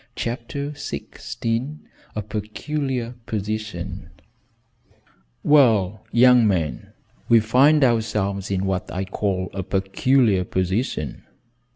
CHAPTER XVI A PECULIAR POSITION "Well, young man, we find ourselves in what I call a peculiar position."